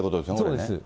そうです。